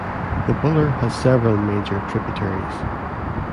The Buller has several major tributaries.